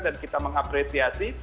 dan kita mengapresiasi